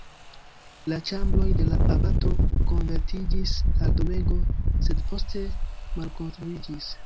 La ĉambroj de la abato konvertiĝis al domego, sed poste malkonstruiĝis.